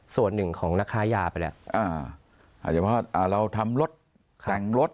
ส่วนหนึ่งของราคายาไปแล้วอ่าอาจจะเพราะอ่าเราทำรถแต่งรถ